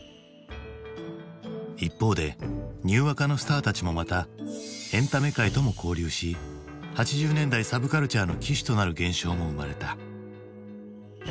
一方でニューアカのスターたちもまたエンタメ界とも交流し８０年代サブカルチャーの旗手となる現象も生まれた。